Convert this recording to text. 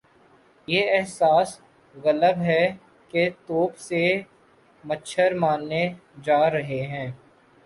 یہ احساس غالب ہے کہ توپ سے مچھر مارے جا رہے ہیں۔